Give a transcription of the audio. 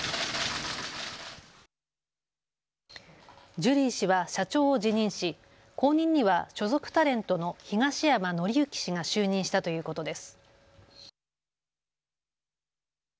ジュリー氏は社長を辞任し後任には所属タレントの東山紀之氏が就任したということです。